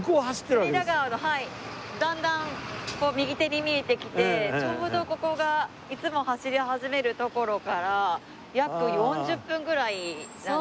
だんだん右手に見えてきてちょうどここがいつも走り始める所から約４０分ぐらいなんですね。